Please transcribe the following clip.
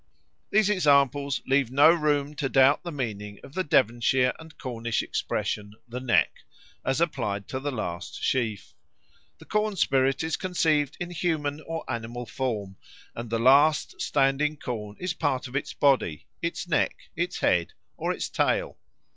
These examples leave no room to doubt the meaning of the Devonshire and Cornish expression "the neck," as applied to the last sheaf. The corn spirit is conceived in human or animal form, and the last standing corn is part of its body its neck, its head, or its tail.